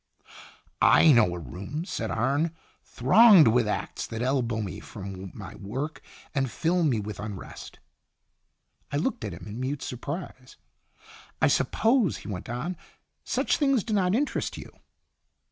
'" "I know a room," said Arne, " thronged with acts that elbow me from my work and fill me with unrest." I looked at him in mute surprise. " I suppose," he went on, " such things do not interest you."